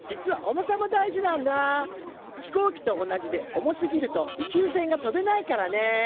飛行機と同じで重すぎると宇宙船が飛べないからね。